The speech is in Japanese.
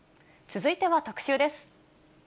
続いては特集です。